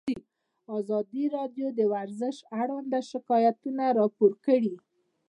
ازادي راډیو د ورزش اړوند شکایتونه راپور کړي.